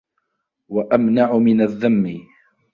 وَأَمْنَعُ مِنْ الذَّمِّ